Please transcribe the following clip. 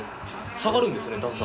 下がるんですね段差。